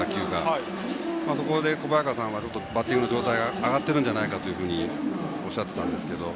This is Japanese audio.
そこで小早川さんはバッティングの状態が上がっているんじゃないかとおっしゃっていたんですけども。